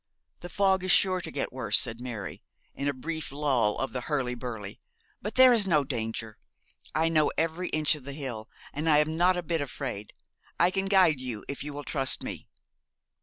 'The fog is sure to get worse,' said Mary, in a brief lull of the hurly burly, 'but there is no danger. I know every inch of the hill, and I am not a bit afraid. I can guide you, if you will trust me.'